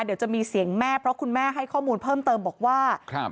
เดี๋ยวจะมีเสียงแม่เพราะคุณแม่ให้ข้อมูลเพิ่มเติมบอกว่าครับ